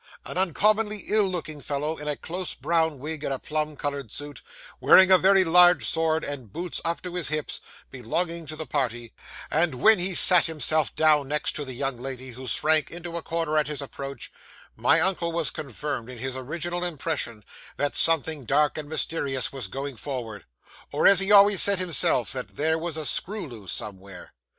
An uncommonly ill looking fellow, in a close brown wig, and a plum coloured suit, wearing a very large sword, and boots up to his hips, belonged to the party; and when he sat himself down next to the young lady, who shrank into a corner at his approach, my uncle was confirmed in his original impression that something dark and mysterious was going forward, or, as he always said himself, that "there was a screw loose somewhere."